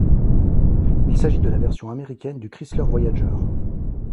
Il s'agit de la version américaine du Chrysler Voyager.